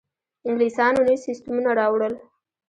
انګلیسانو نوي سیستمونه راوړل.